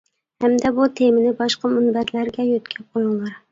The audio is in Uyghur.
ھەمدە بۇ تېمىنى باشقا مۇنبەرلەرگە يۆتكەپ قۇيۇڭلار!